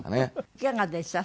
いかがでした？